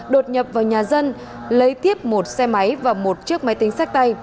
đột nhập vào nhà dân lấy tiếp một xe máy và một chiếc máy tính sách tay